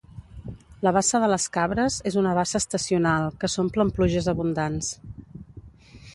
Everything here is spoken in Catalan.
La Bassa de les Cabres és una bassa estacional, que s'omple amb pluges abundants.